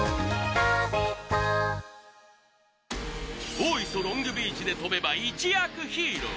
大磯ロングビーチで飛べば一躍ヒーロー。